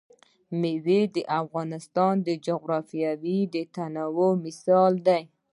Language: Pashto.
مېوې د افغانستان د جغرافیوي تنوع مثال دی.